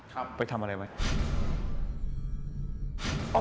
ครับไปทำอะไรไหมครับ